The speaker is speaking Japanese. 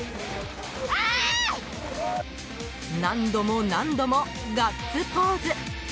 何度も何度もガッツポーズ。